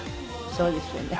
そうですよね。